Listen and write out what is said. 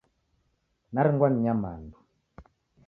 Naringwa ni nyamandu.